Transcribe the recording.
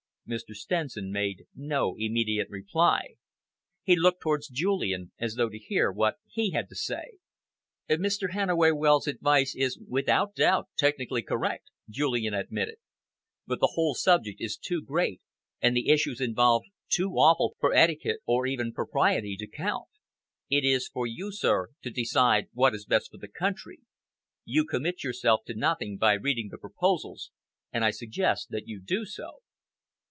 Mr. Stenson made no immediate reply. He looked towards Julian, as though to hear what he had to say. "Mr. Hannaway Wells's advice is, without doubt, technically correct," Julian admitted, "but the whole subject is too great, and the issues involved too awful for etiquette or even propriety to count. It is for you, sir, to decide what is best for the country. You commit yourself to nothing by reading the proposals, and I suggest that you do so."